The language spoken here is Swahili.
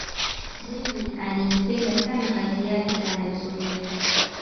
mwinyi aliipenda sana kazi yake anayosomea